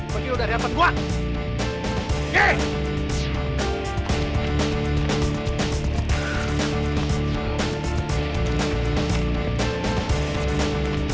pergi lu dari depan gue oke